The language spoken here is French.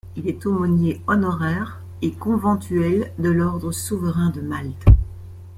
Il est aumônier honoraire et conventuel de l'Ordre souverain de Malte.